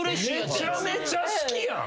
めちゃめちゃ好きやん！